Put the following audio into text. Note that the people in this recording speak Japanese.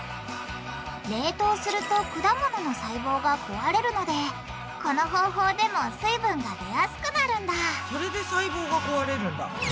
冷凍すると果物の細胞が壊れるのでこの方法でも水分が出やすくなるんだそれで細胞が壊れるんだ。